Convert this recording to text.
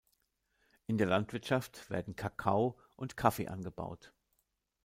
In der Landwirtschaft werden Kakao und Kaffee angebaut.